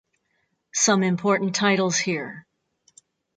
Some important titles here.